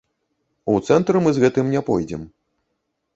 У цэнтр мы з гэтым не пойдзем.